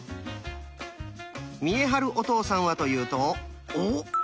見栄晴お父さんはというとおおっ！